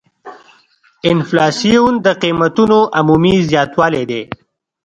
انفلاسیون د قیمتونو عمومي زیاتوالی دی.